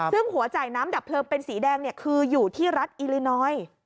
ซึ่งหัวจ่ายน้ำดับเพลิงเป็นสีแดงคืออยู่ที่รัฐอิลินอย